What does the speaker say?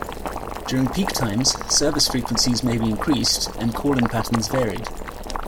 During peak times service frequencies may be increased and calling patterns varied.